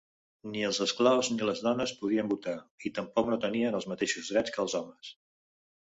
Ni els esclaus ni les dones podien votar, i tampoc no tenien els mateixos drets que els homes.